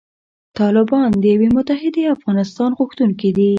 طالبان د یوې متحدې افغانستان غوښتونکي دي.